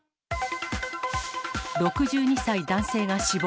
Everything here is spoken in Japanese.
６２歳男性が死亡。